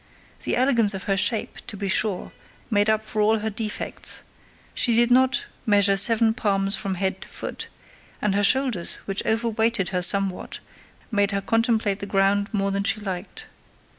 The elegance of her shape, to be sure, made up for all her defects; she did not measure seven palms from head to foot, and her shoulders, which overweighted her somewhat, made her contemplate the ground more than she liked.